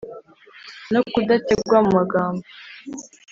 no kudategwa mu magambo.